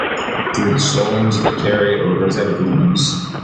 Through the stolons that carry a rosette of leaves.